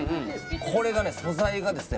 これがね素材がですね